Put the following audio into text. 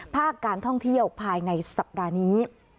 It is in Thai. ภาคการท่องเที่ยวภายในสัปดาห์นี้